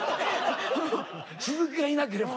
鈴木がいなければ。